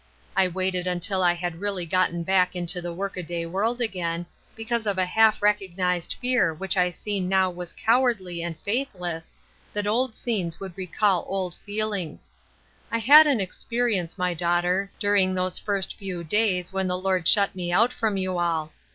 2 waited until I had really gotten back into the work a day world again, because of a half recog nized fear which I see now was cowardly and faithless, that old scenes would recall old feel ings. I had an experience, my daughter, during those first few days when the Lord shut me out from you all.